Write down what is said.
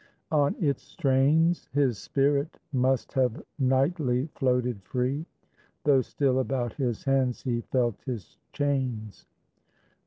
On its strains His spirit must have nightly floated free, Though still about his hands he felt his chains.